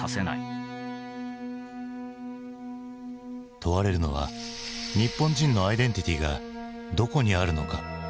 問われるのは日本人のアイデンティティーがどこにあるのかということ。